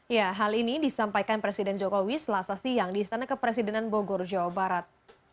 ya hal ini disampaikan presiden jokowi selasa siang di istana kepresidenan bogor jawa barat